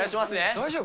大丈夫？